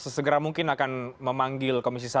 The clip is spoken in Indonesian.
sesegera mungkin akan memanggil komisi satu